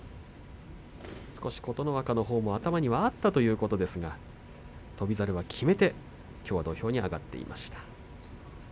琴ノ若のほうも頭にはあったということですが翔猿は決めて、きょうは土俵に上がっていました。